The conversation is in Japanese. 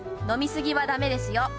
飲み過ぎはだめですよ。